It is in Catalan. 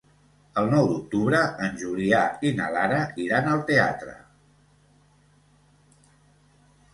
El nou d'octubre en Julià i na Lara iran al teatre.